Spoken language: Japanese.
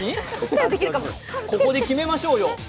ここで決めましょうよ。